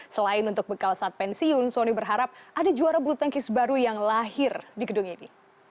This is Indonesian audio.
selain untuk bekal saat pensiun sony berharap ada juara bulu tangkis baru yang lahir di gedung ini